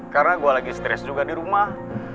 karena gue lagi stres juga di rumah